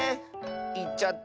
いっちゃった。